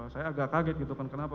saya agak kaget gitu kan kenapa